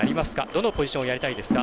どのポジションをやりたいですか。